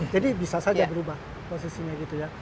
jadi bisa saja berubah posisinya gitu ya